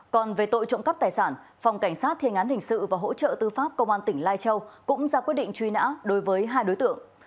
còn về tội trộm cắp tài sản phòng cảnh sát thiên án hình sự và hỗ trợ tư pháp công an tỉnh lai châu cũng ra quyết định truy nã đối với hai đối tượng